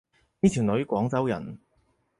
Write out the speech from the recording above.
呢條女廣州人